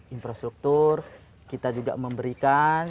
infrastruktur kita juga memberikan